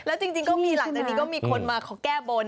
แล้วจริงก็มีหลังจากนี้ก็มีคนมาแก้บน